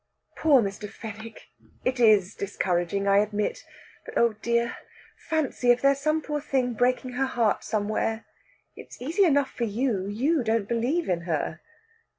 "Poor Mr. Fenwick! It is discouraging, I admit. But, oh dear! fancy if there's some poor thing breaking her heart somewhere! It's easy enough for you you don't believe in her."